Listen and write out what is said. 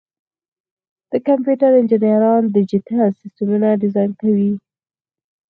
د کمپیوټر انجینران ډیجیټل سیسټمونه ډیزاین کوي.